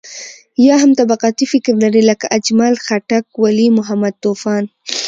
يا هم طبقاتي فکر لري لکه اجمل خټک، ولي محمد طوفان.